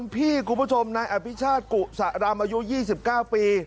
พี่คุณผู้ชมนายอภิชาติกุศรำอายุ๒๙ปี